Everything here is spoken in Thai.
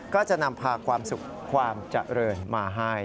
ก็จะนำพาความสุขความเจริญมาให้